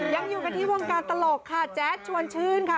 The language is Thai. ยังอยู่กันที่วงการตลกค่ะแจ๊ดชวนชื่นค่ะ